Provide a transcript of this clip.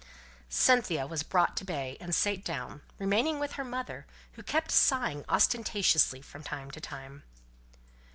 Cynthia was brought to bay, and sate down; remaining with her mother, who kept sighing ostentatiously from time to time.